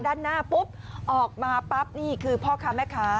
ด้านหน้าปุ๊บออกมาปั๊บนี่คือพ่อค้าแม่ค้า